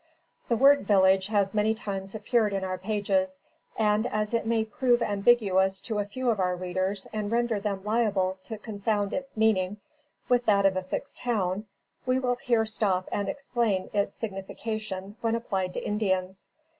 The word village has many times appeared in our pages, and as it may prove ambiguous to a few of our readers and render them liable to confound its meaning with that of a fixed town, we will here stop and explain its signification when applied to Indians.